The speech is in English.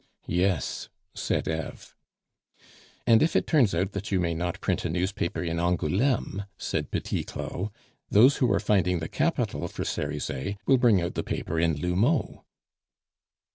"Yes," said Eve. "And if it turns out that you may not print a newspaper in Angouleme," said Petit Claud, "those who are finding the capital for Cerizet will bring out the paper in L'Houmeau."